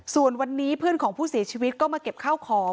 ส่วนวันนี้เพื่อนของผู้เสียชีวิตก็มาเก็บข้าวของ